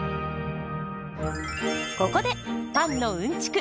ここでパンのうんちく